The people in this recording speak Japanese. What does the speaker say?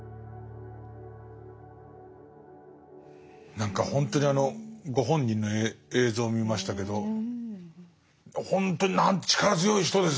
何かほんとにあのご本人の映像見ましたけどほんとに力強い人ですね。